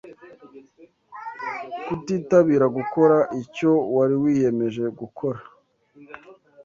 Kutitabira gukora icyo wari wiyemeje gukora.